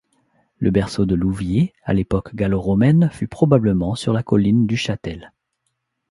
Le berceau de Louviers à l'époque gallo-romaine fut probablement sur la colline du Châtel.